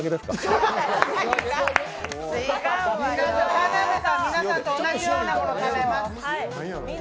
田辺さん、皆さんと同じようなものを食べます。